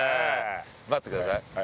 待ってください。